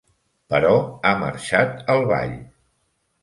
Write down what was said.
Però ha marxat al ball.